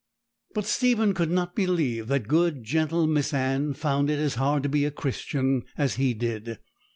But Stephen could not believe that good, gentle Miss Anne found it as hard to be a Christian as he did.